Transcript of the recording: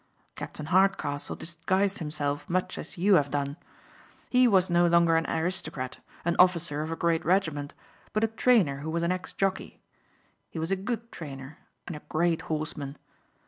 Captain Hardcastle disguised himself much as you have done. He was no longer an aristocrat, an officer of a great regiment, but a trainer who was an ex jockey. He was a good trainer and a great horseman.